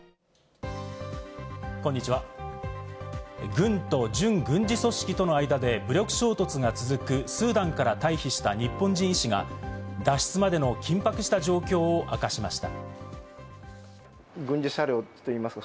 軍と準軍事組織との間で武力衝突が続くスーダンから退避した日本人医師が脱出までの緊迫した状況を明かしました。